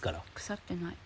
腐ってない。